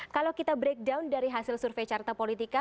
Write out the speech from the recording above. kalau kita breakdown dari hasil survei carta politika